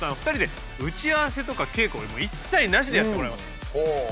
２人で打ち合わせとか稽古一切なしでやってもらいます。